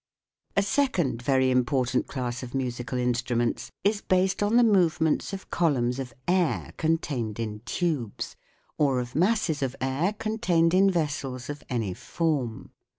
A second very important class of musical instru ments is based on the movements of columns of air contained in tubes, or of masses of air contained in vessels of any form.